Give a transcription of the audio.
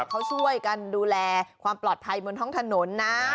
เขาช่วยกันดูแลความปลอดภัยบนท้องถนนนะ